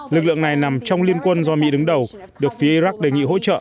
lực lượng này nằm trong liên quân do mỹ đứng đầu được phía iraq đề nghị hỗ trợ